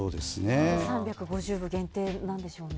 ３５０部限定なんでしょうね。